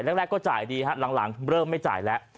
แรกก็จ่ายดีฮะหลังเริ่มไม่จ่ายแล้ว